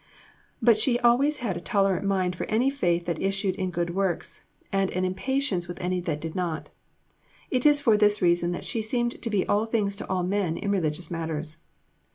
But she always had a tolerant mind for any faith that issued in good works, and an impatience with any that did not. It is for this reason that she seemed to be all things to all men in religious matters.